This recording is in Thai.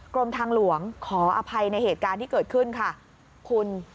กรมทางหลวงขออภัยในเหตุการณ์ที่เกิดขึ้นค่ะคุณ